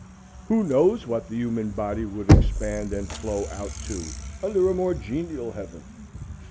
Who knows what the human body would expand and flow out to under a more genial heaven?